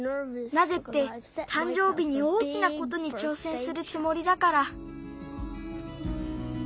なぜってたん生日に大きなことにちょうせんするつもりだから。